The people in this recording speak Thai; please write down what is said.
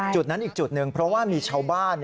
จุดนั้นอีกจุดหนึ่งเพราะว่ามีชาวบ้าน